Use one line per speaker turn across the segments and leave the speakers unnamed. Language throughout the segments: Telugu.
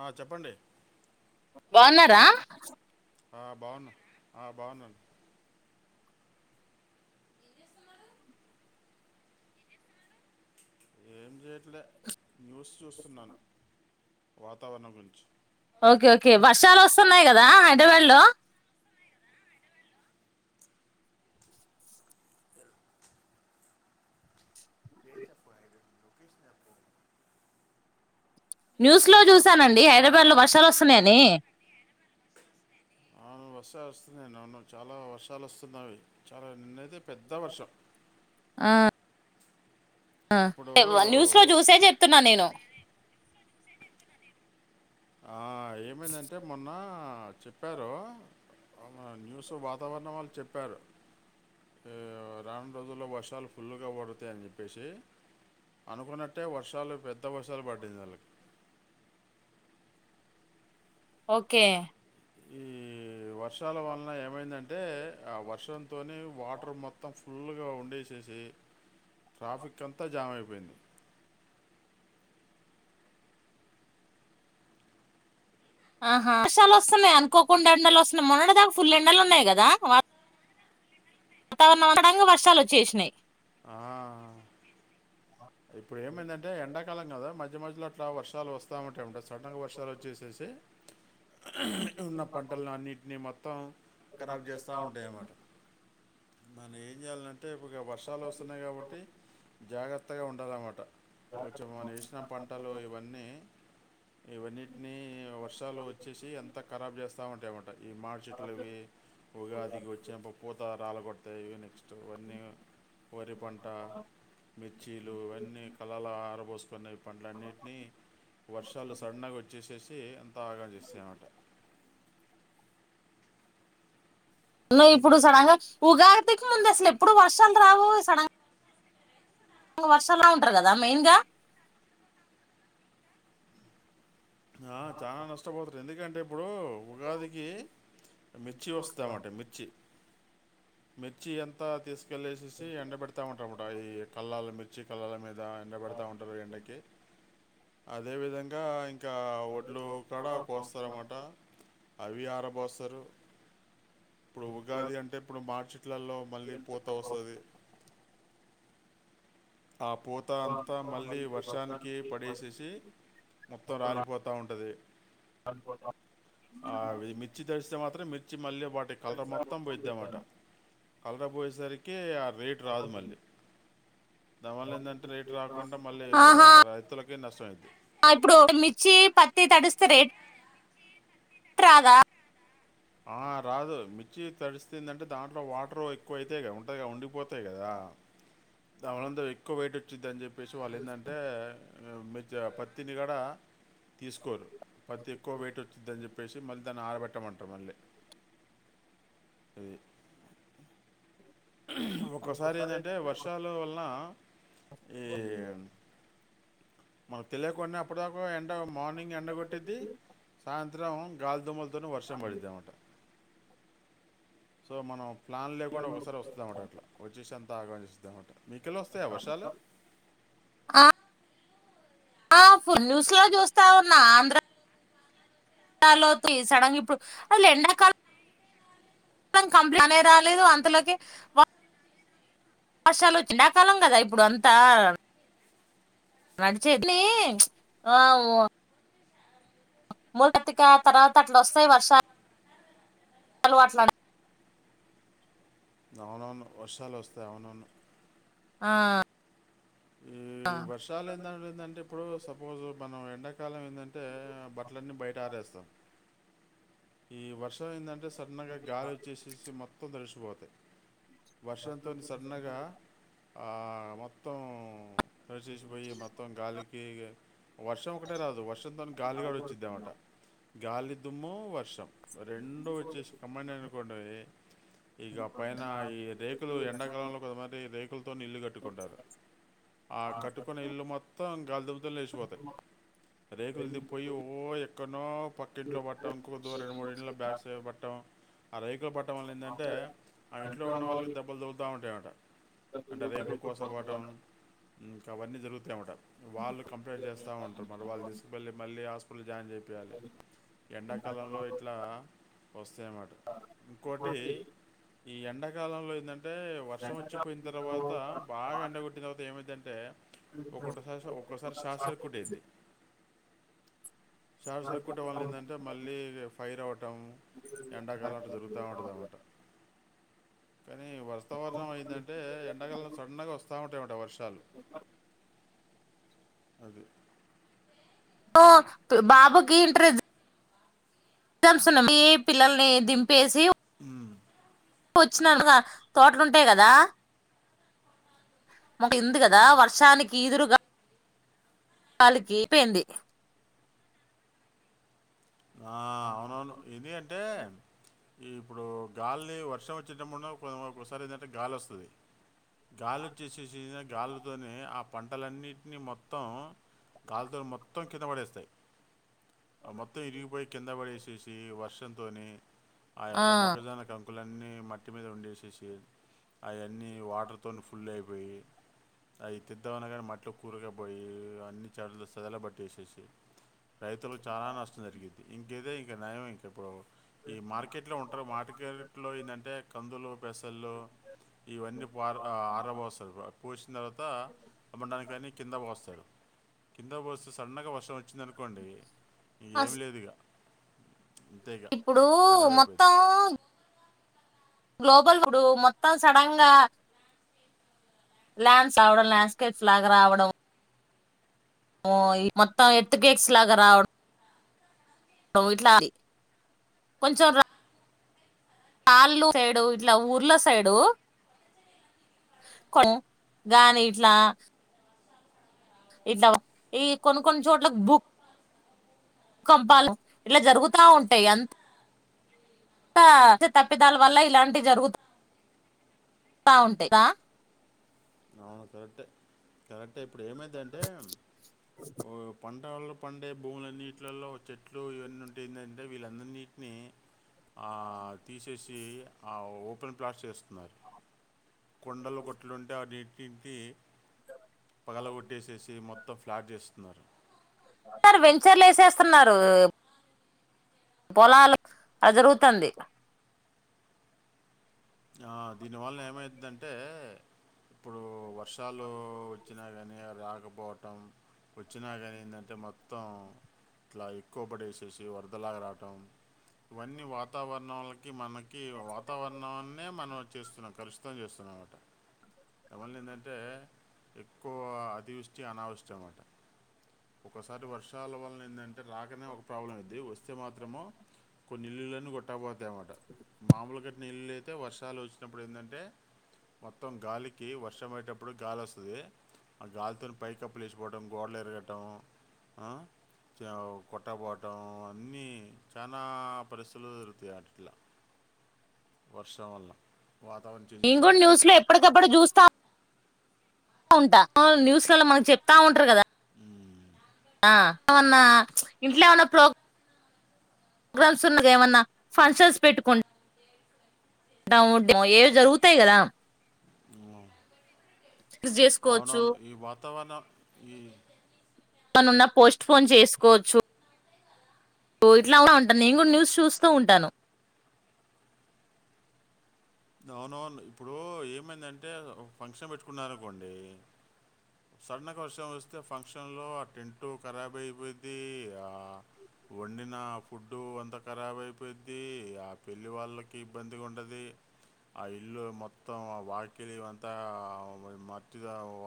ఆ చెప్పండి
బాన్నారా
ఆ బాగును ఆ బాగున్నాడి ఏం చేయట్లే న్యూస్ చూస్తున్నాను వాతావరణం గుంచి
ఓకే ఓకే వర్షాలు వస్తున్నాయి కదా హైదరాబాద్ లో
[inaudible]
న్యూస్ లో
ఆ,
చూసానండి
ఆ,
హైదరాబాద్ లో వర్షాలు వస్తున్నాయని
అవును వర్షాలు వస్తున్నాను అవును చాలా వర్షాలు వస్తున్నావి చాలా నిన్నయితే పెద్ద వర్షం
ఆ
ఇప్పుడు
ఆ న్యూస్ లో చూసే చెప్తున్నా నేను
ఆ ఏమైందంటే మొన్న చెప్పారు న్యూస్ వాతావరణం వాళ్ళు చెప్పారు రాను రోజుల్లో వర్షాలు ఫుల్గా పడతాయ అని చెప్పేసి అనుకున్నట్టే వర్షాలు పెద్ద వర్షాలు పడింది వాీళ్ళకి
ఓకే
ఈ వర్ష వర్షాల వలన ఏమైందంటే ఆ వర్షం తనే వాటర్ మొత్తం ఫుల్గా వండేసేసి ట్రాఫిక్ అంతా జామ్ అయిపోయింది
ఆహా వర్షాలు వస్తున్నాయి అనుకోకుండా ఎండలు వస్తున్నాయి మొన్నడ దాకా ఫుల్ ఎండలు ఉన్నాయి కదా వ వాతావరణం అడంగా వర్షాలు వచ్చేసినాయి
ఆ ఇప్పుడు ఏమైందంటే ఎండాకాలం కదా మ మ మధ్యలో అలా వర్షాలు వస్తయి వస్తూ ఉంటాయి అన్నమాట సడన్గా వర్షాలు వచ్చేసేసి ఉన్న పంటని అన్నింటినీ మొత్తం ఖరాబ్ చేస్తూ ఉంటాయ అన్నమాట మనం ఏం చేయాలంటే వస్తున్నాయి కాబట్టి జాగ్రత్త కొత్తగా ఉండాలన్నమాట వచ్చం మ వసిన పంటలు ఇవన్నీ ఇవన్నిటిని వర్షాలు వచ్చేసి ఎంత ఖరాబ్ చేస్తా ఉంటాయమట ఈ మాార్చట్లు ఇవి ఉగాదికి వచ్చా పూత రాల కొొడతాయివి నెక్స్ట్ ఇవన్నీ కరి పంట మిర్చీలు ఇవన్నీ కలల బోస్ ప పంటలున్నిటిని వర్షాలు సడన్గా వచ్చేసేసి అంతా ఆగాం చేస్తాయ అన్నమాట
ను
మీ
ఇప్పుడు సడంగా ఉగాదికి ముందు అసలు ఎప్పుడు వర్షాలు రావు సడ వర్షలా ఉంటారు కదా మెయిన్గా
ఆ చానా నష్టపోతరు ఎందుకన్ ఇప్పుడు ఉగాదికి మిర్చి వస్తదనమాట మిర్చి మిర్చి ఎంతా తీస్ కెళ్ళేసేసి ఎండబెడతా ఉంటామట ఈ కల్లాల మిర్చి కల్లాల మీద ఎండబెడతా ఉంటారు ఎండకి అదే విధంగా ఇన్ కా ఒడ్లు కాడా కోస్తారనమాట అవి ఆరబోస్సరు ఇప్పుడు ఉగాది అంటే ఇప్పుడు మార్చి ఇట్లల్లో మళ్ళీ పూత వస్సాది ఆ పూత అంతా మళ్ళీ వర్షానికి పడేసేసి మొత్తం రాలిపోతా ఉంటుంది అది మిర్చి తడిస్తే మాత్రం మిర్ మళ్ళీ వాటి కలర్ మొత్తం పోయిద్ద అమాట కలర్ పోయేసరికి కేయా రేట్ రాదు మళ్ళీ మళ్లీ ఏందంటే రేటు రాకుంటే మళ్ళీ క
ఆహా
రైతులకె నష్టమైద్ది
ఇప్పుడు మిర్చి పత్తి తడిస్తే రేట్ రాదా
ఆ రాదు మిర్చి తడిస్తుందంటే దాంట్లో వాటర్ ఎక్కువ క ఉండిపోతాయి కదా దాంతో ఎక్కువ వైట్ వచ్చిది అని చెప్పేసి వాళ్ళు ఏంటంటే మీ పత్తిని కాడా తీసుకోరు పత్తి ఎక్కువ వెయిట్ వచ్చందని చెప్పేసి మళ్ళీ దాన్ని ఆరబెట్టమంటారు మళ్ళీ ఈ ఒక్కోసారి ఏంటంటే వర్షాలు వలన ఈ మనకు తెలియకుండా అప్పటిదాకా ఎండ మార్నింగ్ ఎండ కొట్టిద్ది సాయంత్రం సాయంత్రం గాల్ దోమలు వర్షం పడిద్దనమాట సో మనం ప్లాన్ లేకుండా ఒక్కోసారి వస్తుంది అనమాట అట్లా వచ్చేసి అంత ఆగంచేస్తుంది టమాటా
ఆ ఆ న్యూస్ లో చూస్తా ఉన్నా ఆంధ్రలో సడంగ్ ఇప్పుడు అసలు ఎండాకాలం కాలం కంప్లీట్ అనే రాలేదు అంతలోకి ఆశాలు చ ఎండాకాలం కదా ఇప్పుడు అంతా నడిచి ని ఆ ఓ మూడు కతిక తర్వాత అట్ల వస్తాయి వర్షాలు చాల అట్లా
అవునవును వర్షాలు వస్తాయి అవునవును
ఆ
ఈ
ఆ
వర్షాలేంటంటందంటే ఇప్పుడు సపోజు పవు ఎండకాలం ఎంద అంటే బట్టలన్నీ బయట ఆరేస్తాం ఈ వర్ష ము ఏందంటే సడన్ గాలి వచ్చేసి మొత్తం తడిసిపోతుంది తే వర్షంతో సడన్గా ప్ర మొత్తం తరిచసిపోయి మొత్తం గాలికి వర్షం ఒకటే రాదు వర్షంతో గాలిగూడ వచ్చిద్ద అనమాట గాలి దుమ్ము వర్ష రెండు వచ్చేసి కమ్మడ్ అనుకోండి ఇక పైన ఈ రేకులు ఎండాకాలంలో కొంతమంది రేకులతో ఇల్లు కట్టుకుంటారు ఆ కట్టుకున్న ఇల్లు మొత్తం మొత్తం గాలి ధూళి లేచిపోతాయి రేకులు ది పోయి ఓక్క కొన్నో పక్కింట్లో పట్టాంకో కొ రెండు మూడు ఇల్లులు బ్యాక్స్ పట్టం ఆ రేకులు పట్టడం వల్ల ఏందంటే ఆ ఇంట్లో ఉన్న వాళ్ళకి దెబ్బలు దగుతూ ఉంటాయ అంట అంటే రేకులు కోసం అవటం ఇంకా అవన్నీ జరుగుతు టమాటా వాళ్ళు కంప్లంట్ చేస్తా ఉంటారు మరి వాళ్ళు తీసుకుెళ్లి మళ్ళీ హా హాస్పిటల్లో జాయిన్ చేపీయాలి ఎండ ప్రొ లో ఇట్లా వస్తాయ అన్నట ఇంకోటి ఈ ఎండ ఎండా కాలంలో ఏందంటే అంటే వర్షం వచ్చిపోయిన తర్వాత బాగా ఎండగట్టిన తర్వాత ఏమైదింటే ఒక్కొరి ఒక్కోసారి షార్ట్ సర్క్యూట్ అయిద్దీ షార్ట్ సర్క్యూట్ వాళ్ళని ఏంటంటే మళ్ళీ ఫైర్ అవటం ఎండాకాలం అట్ట జరుగుథా ఉంటుంది అన్నమాట కానీ వర్తావర్ణం అయిందంటే ఎండాకాలం సడన్ గా వస్తా ఉంటాయన్నట వర్షాలు అది
ఆ బాబుకి ఇంట్రెస్ట్ ఎగ్జామ్స్ ఉన్నా మీ పిల్లల్ని దింపేసి
హ్మ్
కూర్చన తోటలుంటాయి కదా మాక్ ఇందు కదా వర్షానికి ఈ దురుగా కాలికిపోయింది
ఆ అవునవును ఏంది అంటే ఇప్పుడు గాలిని వర్షం వచ్చేటప్పున్న ఒకసారి ఏంటంటే గాలి వస్తది గాలి వచ్చేసేససిన గాలితోనే ఆ పంటలన్నిటిని మొత్తం గాలితోలు మొత్తం కింద పడేస్తయి అబత్ ఇరిగిపోయి కింద పడేసేసి వ హర్షంతోని ఆ యొక్క మొక్కజన కం కుకులన్నీ మట్టి మీద వండేసేసి అవిన్నీ వాటర్తో ఫుల్ అయిపోయి అవి తెిద్దామన్నా కానీ మట్టిలో కూరకపోయి అన్నీ చెట్లు సదలబట్టేసేసి రైతులు చాలా నష్టం కేదా ఇ కన్నాయ అ కప్పుడో ఈ మార్కెట్లో ఉంటారు మార్కెట్లో ఏంటంటే కందులు పెసళ్ళు ఇవన్నీ ఆరాబ వస్తారు పోసిన తర్వాత అమ్మడాని కానీ కింద పోస్తారు కింద బస్ సడన్నగా వర్షం వచ్చి వచ్చందనుకోండి ఇ ఏం లేదు ఇక అంతే ఇక
ఇప్పుడు
ఖరాబ్
మొత్తం
అయిపోయిద్ది
గ్లోబల్ ఇపుడు మొత్తం సడన్ గా లన్స్ ఆవడం ల్యాండ్స్కేప్ ఫ్లాగర్ ఆవడం మొత్తం ఎత్తు కేక్స్ లాగా రావడం ఇట్లా కొంచెం కాళ్ళ సైడు ఇట్లా ఊర్లో సైడు కొ గానీ ఇట్లా ఇలా ఈ కొన్ని కొన్ని చోట్ల భూ భూకంపాలు ఇట్లా జరుగుతా ఉంటాయి ఎంత ఆ ఇ తప్పిదాల వల్ల ఇలాంటి జరుగుతా ఉంటాయ్ రా,
అను కరెక్టే కరెక్ టే ఇప్పుడు ఏమైదంటే ఓ పం టళ్లో పండే భూములన్నిటిలల్లో చెట్లు ఇవన్నీ ఉంటేందంటే వీళ్ళందన్నిటిని ఆ తీసేసి ఆ ఓపెన్ ప్లాట్స్ చేస్తున్నారు. కొండలు గొట్లుంటే అడ్ని [unintelligible] పగల కొట్టేసేసి మొత్తం ఫ్లాట్ చేస్ బర
సార్ వెంచర్లు వేసేస్తున్నారు పొలాలు అ జరుగుతంది
ఆ దీనివల్లన ఏమవుతుందంటే ఇప్పుడు వర్షాలు వచ్చాకగాని అది ఆగిపోవటం, వచ్చానీంటే మొత్తం ఇలా ఎకువ పడేసేసి వరదలా గా రావటం ఇవన్నీ వాతావరణం మనకి వాతావరణాన్ని మనం చేస్తున్నాం కలుషితం చేస్తున్నాం అనమాట, ఏవల్ల ఏంటంటే ఎక్కువ అతివృష్టి అనావష్ అనమాట ఒకసారి వర్షాల వల్లన ఎంద అే రాకనే ఒక ప్రాబ్లం అది వస్ వస్తే మాత్రమో కొన్ని ఇల్లుీ కొట్టబోతాయి అన్నమాట మామూలు కట్న ఇల్లులు అయి అయితే వర్షాలు వచ్చినప్పుడు ఏంటంటే మొత్తం గాలికి వర్షం అయేటప్పుడు గాలి వస్తుంది ఆ గాలితో పైకప్పు లేచిపోవటం గోడలు ఎరగటం కొట్టపోవటం అన్నీ చాలా పరిస్థితులు దొరుకుతాయి అట్లా వర్షం వల్ల వాతావరణ
ఇ
చేంజెస్
కూడా
వల్ల
న్యూస్ లో ఎప్పటికెప్పుడు చూస్తా ఉంటా న్యూస్లలో మనకు చెప్తా ఉంటారు కదా
ఉమ్,
ఆ ఏమన్నా ఇంట్లో ఏమన్నా ప్రోగ ప్రోగ్రామ్స్ ఉన్నగా ఏమన్నా ఫంక్షన్స్ పెట్టుకుం ఏవో జరుగుతాయి కదా
అవు
చేసుకోవచ్చు
అవునను ఈ వాతావరణం ఈ
తనున్న పోస్ట్పోన్ చేసుకోవచ్చు స ఇట్లా ఉంటాను నేను కూడా న్యూస్ చూస్తూ ఉంటాను
అవునవును ఇప్పుడు ఏమైందంటే ఫంక్షన్ పెట్టుకున్నారనుకోండి సడన్గా వర్షం వస్తే ఫంక్షన్లో ఆ టెంటట్ ఖరాబ అయిపోది ఆ వండిన ఫుడ్డు అంతా ఖరాబ్ అయిపోయిది ఆ పెళ్ళి వాళ్ళకి ఇబ్బందిగా ఉండది ఆ ఇల్లు మొత్తం ఆ వాకిలి అంతా మచ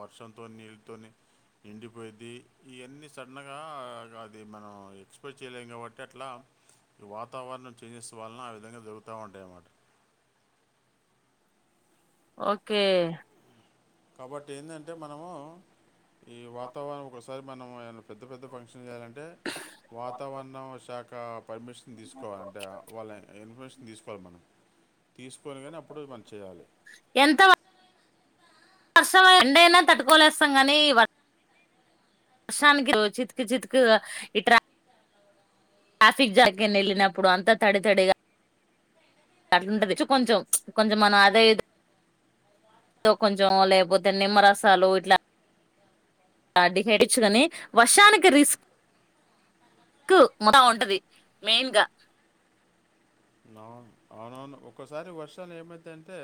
వర్షం నీళ్ళతో నిండిపోయిది ఇవన్నీ సడన్గా అది మనం ఎక్స్పెక్ట్ చేయలేము కాబట్టి అట్లా వాతావరణం చేంజె వలన ఆ విధంగా జరుగుతూ ఉంటాయి అన్నమాట
ఓకే
కాబట్టి ఏంటంటే మనము ఈ వాతావరణం ఒకసారి మనం ఆయన పెద్ద పెద్ద ఫంక్షన్ చేయాలంటే వాతావరణ శాఖ ఆ పర్మిషన్ తీసుకోవాలంటే వాళ్ళ ఇన్ ఇన్ఫర్మేషన్ తీసుకోవాల మనం తీసుకొని గానీ అప్పుడు మన్
ఎంత వ వర్షం ఎండైనా తట్టుకోనేస్తం కానీ వర్ వర్షానికి చితికి చితికి ఇ ట్రా ట్రాఫిక్ జామ్ ఎక్కడికైనా ఎళ్ళినప్పుడు అంతా తడి తడిగా అట్లుంటది కొంచెం కొంచెం మనం అదే ఇది ఏమో కొంచెం లేకపోతే నిమ్మరసాలు ఇట్లా [unintelligible] వర్షానికి రిస్క్ మొత్తం ఉంటది మెయిన్గా
అవును అవునవును ఒక్కోసారి వర్షాలు ఏమయి తాయంటే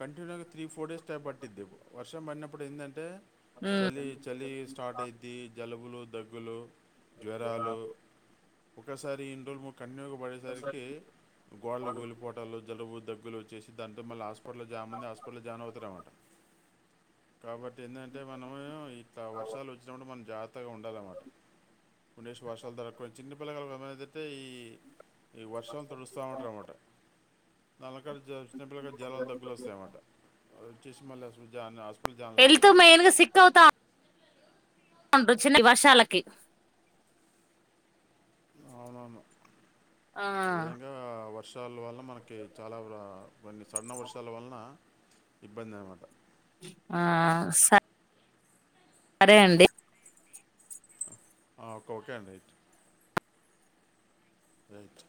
కంటిన్యూగా త్రీ ఫోర్ డేస్ టైం పట్టిద్ది వర్షం పడినప్పుడు ఏందంటే చలి చలి స్టార్ట్ అయిది జలబులు దగ్గులు జ్వరాలు ఒకసారి ఇం రోజు ము కన్నూక పడేసరికి గోళ్ళ కూలిపో ఓటాల్లో జలుబు దగ్గు గా వచ్చేసి దాంటే మళ్ళీ హాస్పిటల్లో జామ ఉంది హాస్పిటల్లో జాన్ అవుతారన్నమాట కాబట్టి ఏంటంటే మనము ఇ వర్షాలు వచ్చినప్పుడు మనం జా ఉండాలన్నమాట పండేష్ వర్షాలు దొరకకు చిన్నపిల్లగాండ్లు అయితే ఈ ఈ వర్షం తొడుస్తామంటార అన్నమాట నల్లకారు చిినపిల్లగా జలాలు దగ్గులు వస్తాయన్నమాట చిస్మలస్జానాస్
వెళ్తూ మేనుగా సిక్కవుతా చిన్న వర్షాలకి
అవునను ఆ విధంగా సాల వాాలా మనకి చాలా కొన్ని సడన వర్షాల వలన ఇబ్బంది అనమాట
ఆ స సరే అండి
ఆ ఓక ఓకే అండి రైట్